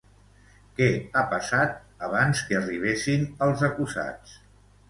Què ha passat abans que arribessin els acusats?